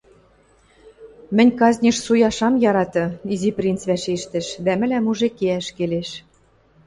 — Мӹнь казнеш суяш ам яраты, — Изи принц вӓшештӹш, — дӓ мӹлӓм уже кеӓш келеш.